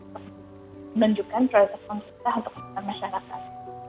menunjukkan prioritas pemerintah untuk masyarakat